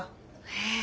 へえ。